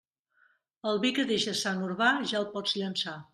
El vi que deixa Sant Urbà ja el pots llençar.